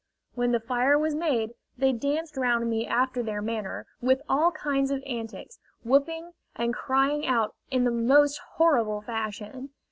When the fire was made, they danced round me after their manner, with all kinds of antics, whooping and crying out in the most horrible fashion.